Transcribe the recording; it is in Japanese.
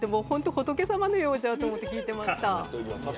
仏さまのようだと思って聞いていました。